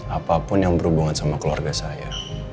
apapun yang berhubungan sama keluarga saya